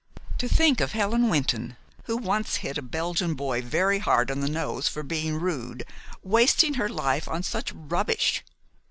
To think of Helen Wynton, who once hit a Belgian boy very hard on the nose for being rude, wasting her life on such rubbish!